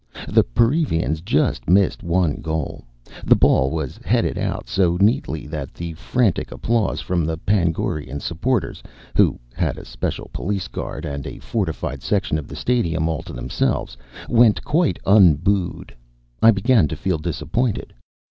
The Perivians just missed one goal; the ball was headed out so neatly that the frantic applause from the Panaguran supporters (who had a special police guard and a fortified section of the stadium all to themselves) went quite unbooed. I began to feel disappointed.